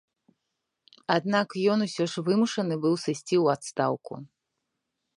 Аднак ён усё ж вымушаны быў сысці ў адстаўку.